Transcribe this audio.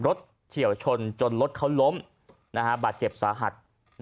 เฉียวชนจนรถเขาล้มบาดเจ็บสาหัส